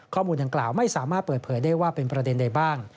ข้อมูลนางกล่าวไม่สาวเผชิญเป็นประเด็น